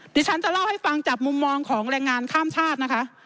ดิฉันจะเล่าให้ฟังจากมุมมองของแรงงานข้ามชาตินะคะ